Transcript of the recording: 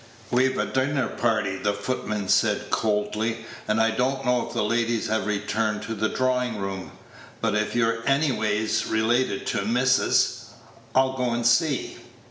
"We've a dinner party," the footman said, coldly, "and I don't know if the ladies have returned to the drawing room; but if you're anyways related to missus I'll go and see."